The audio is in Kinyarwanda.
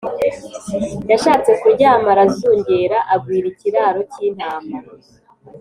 yashatse kuryama arazungera agwira ikiraro k’intama